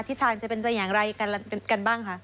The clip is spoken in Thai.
ที่ทายมจะเป็นตัวอย่างไรกันบ้างคะ